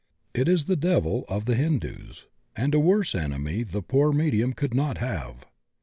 It is the "devil" of the Hin dus, and a worse enemy the poor medium could not have.